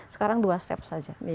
sekarang dua step saja